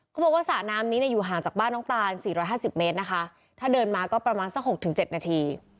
เขาบอกว่าสระน้ำนี้เนี่ยอยู่ห่างจากบ้านน้องตาน๔๕๐เมตรนะคะถ้าเดินมาก็ประมาณสัก๖๗นาที